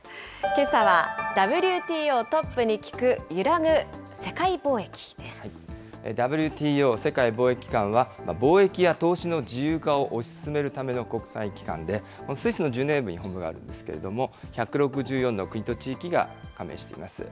けさは、ＷＴＯトップに聞く、揺ＷＴＯ・世界貿易機関は、貿易や投資の自由化を推し進めるための国際機関で、スイスのジュネーブに本部があるんですけれども、１６４の国と地域が加盟しています。